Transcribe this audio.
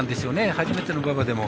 初めての馬場でも。